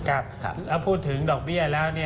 แล้วพูดถึงดอกเบี้ยแล้ว